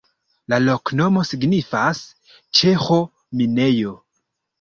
La loknomo signifas ĉeĥo-minejo.